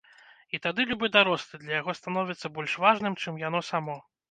І тады любы дарослы для яго становіцца больш важным, чым яно само.